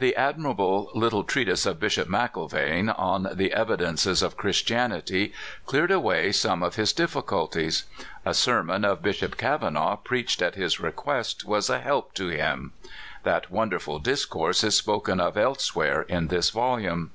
The admirable little treatise of Bishop Mcllvaine, 011 the " Evidences of Christianity," cleared away WINTER BLOSSOMED. 253 Borae of his difficulties. A sermon of Bishop Kav anaugh, preached at his request, was a help to him. (That wonderful discourse is spoken of elsewhere in this volume.)